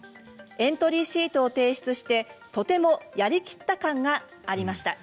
エントリーシートを提出してとてもやりきった感がありました。